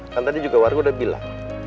kan tadi juga warga udah bilang